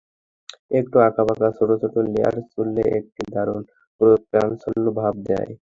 একটু আঁকাবাঁকা ছোট ছোট লেয়ার চুলকে একটি দারুণ প্রাণোচ্ছল ভাব দেয়।